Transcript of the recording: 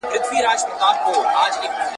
ټول پردي دي بېګانه دي مقتدي دی که امام دی ,